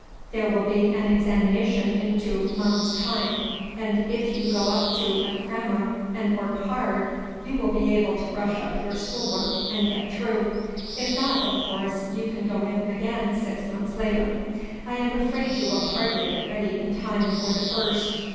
There will be an examination in two months' time, and if you go up to a crammer and work hard you will be able to brush up your school work and get through; if not, of course you can go in again six months later. I am afraid you will hardly get ready in time for the first."